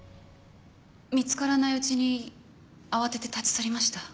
見つからないうちに慌てて立ち去りました。